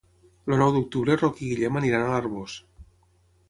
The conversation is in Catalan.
El nou d'octubre en Roc i en Guillem aniran a l'Arboç.